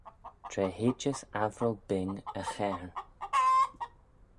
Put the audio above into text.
Tra heidys Avril bing e chayrn,